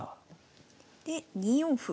で２四歩。